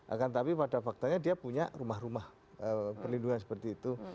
akan tapi pada faktanya dia punya rumah rumah perlindungan seperti itu